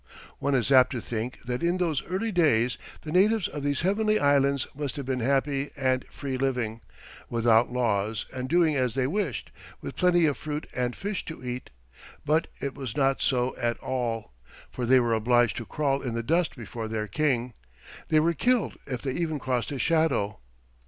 One is apt to think that in those early days the natives of these heavenly islands must have been happy and free living, without laws and doing as they wished, with plenty of fruit and fish to eat; but it was not so at all, for they were obliged to crawl in the dust before their king; they were killed if they even crossed his shadow.